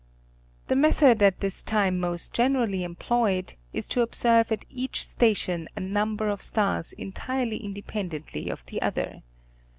The method at this time most generally employed, is to observe at each station a number of stars entirely independently of the other.